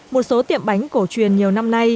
một số tiệm bánh cổ truyền nhiều năm